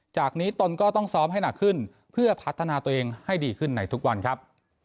จากนี้ตนก็ต้องซ้อมให้หนักขึ้นเพื่อพัฒนาตัวเองให้ดีขึ้นในทุกวันครับ